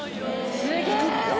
すげえ！